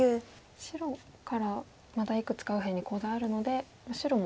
白からまだいくつか右辺にコウ材あるので白も。